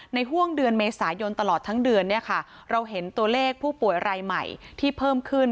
ห่วงเดือนเมษายนตลอดทั้งเดือนเนี่ยค่ะเราเห็นตัวเลขผู้ป่วยรายใหม่ที่เพิ่มขึ้น